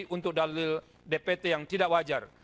untuk dalil dpt yang tidak wajar